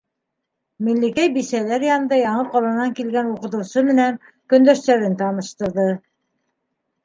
Миңлекәй бисәләр янында яңы ҡаланан килгән уҡытыусы менән көндәштәрен таныштырҙы.